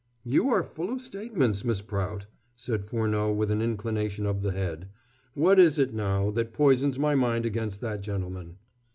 "You are full of statements, Miss Prout," said Furneaux with an inclination of the head; "what is it, now, that poisons my mind against that gentleman?"